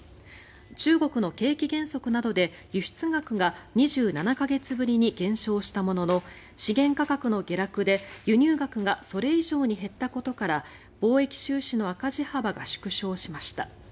中国の景気減速などで輸出額が２７か月ぶりに減少したものの資源価格の下落で輸入額がそれ以上に減ったことから貿易収支の赤字幅が縮小しました。